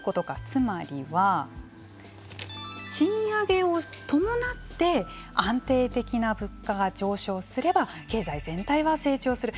つまりは賃上げを伴って安定的な物価が上昇すれば経済全体は成長する。